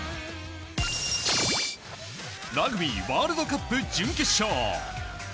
ラグビーワールドカップ準決勝。